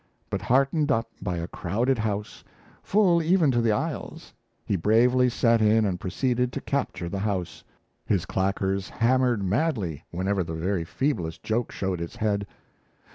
But heartened up by a crowded house, full even to the aisles, he bravely set in and proceeded to capture the house. His claquers hammered madly whenever the very feeblest joke showed its head.